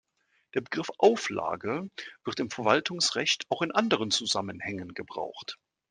Der Begriff „Auflage“ wird im Verwaltungsrecht auch in anderen Zusammenhängen gebraucht.